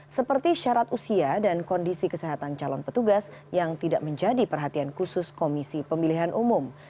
seperti syarat usia dan kondisi kesehatan calon petugas yang tidak menjadi perhatian khusus komisi pemilihan umum